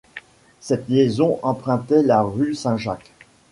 Cette liaison empruntait la rue Saint-Jacques.